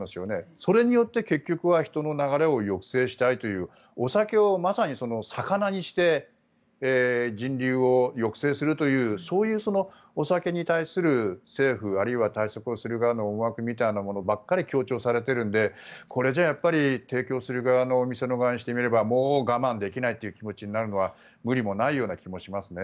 それによって結局は人の流れを抑制したいというお酒を、まさにさかなにして人流を抑制するというそういうお酒に対する政府、あるいは対策する側の思惑ばっかりが強調されているのでこれじゃ提供する側のお店側にしてみればもう我慢できないという気持ちになるのは無理もない気がしますね。